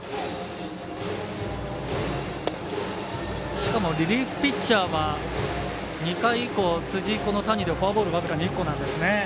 しかも、リリーフピッチャーは２回以降、辻、この谷でフォアボール僅か２個なんですね。